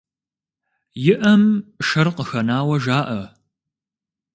И Ӏэм шэр къыхэнауэ жаӀэ.